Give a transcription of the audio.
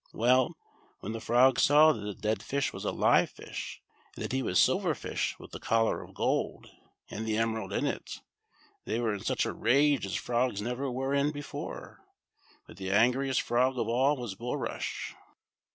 Well, when the frogs saw that the dead fish was a live fish, and that he was Silver Fish with the collar of gold, and the emerald in it, they were in such a rage as frogs never were in before, but the angriest frog of all was Bulrush.